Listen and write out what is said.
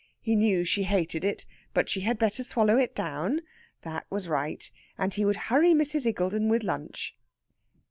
He knew she hated it, but she had better swallow it down. That was right! And he would hurry Mrs. Iggulden with lunch.